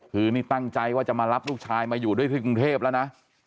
คือนี่ตั้งใจว่าจะมารับลูกชายมาอยู่ด้วยที่กรุงเทพแล้วนะ